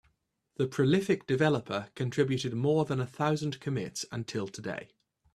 The prolific developer contributed more than a thousand commits until today.